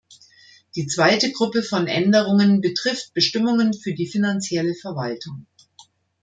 Die zweite Gruppe von Änderungen betrifft Bestimmungen für die finanzielle Verwaltung.